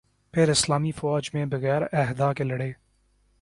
پھر اسلامی فوج میں بغیر عہدہ کے لڑے